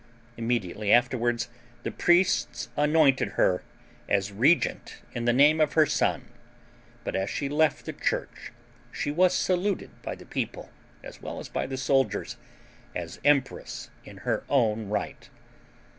Immediately afterward the priests anointed her as regent in the name of her son; but as she left the church she was saluted by the people, as well as by the soldiers, as empress in her own right.